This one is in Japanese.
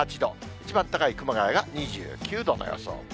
一番暖かい熊谷が２９度の予想。